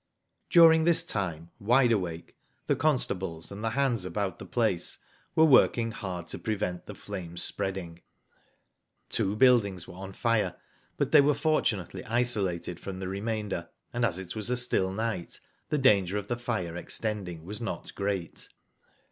During this time Wide Awake, the constables, Digitized byGoogk TIVO BRAVE GIRLS. 177 and the hands about the place were working hard to prevent the flames spreading. Two buildings were on fire, but they were for tunately isolated from the remainder, and as it was a still night the danger of the fire extending was not great.